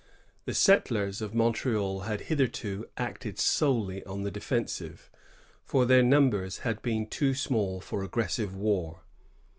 The settlers of Montreal had hitherto acted solely on the defensive, for their num bers had been too small for aggressive war.